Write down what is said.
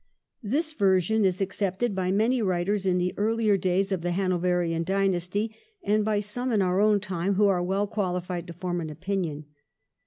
This version is accepted by many writers in the earlier days of the Hanoverian dynasty, and by some in our own time who are well qualified to form an opinion.